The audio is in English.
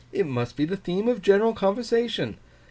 It must be the theme of general conversation.